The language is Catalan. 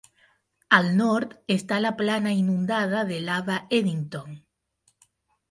Al nord està la plana inundada de lava Eddington.